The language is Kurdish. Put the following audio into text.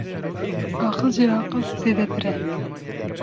Aqil ji aqil zêdetir e